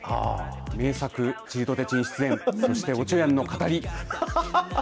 名作、ちりとてちん出演おちょやんの語り。